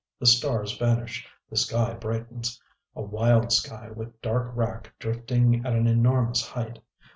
The stars vanish; the sky brightens. A wild sky, with dark wrack drifting at an enormous height.